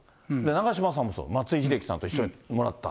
長嶋さんもそう、松井秀喜さんと一緒にもらった。